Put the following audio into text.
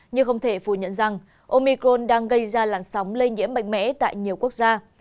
nhưng đại dịch ở vương quốc anh vẫn nhận rằng omicron đang gây ra làn sóng lây nhiễm mạnh mẽ tại nhiều quốc gia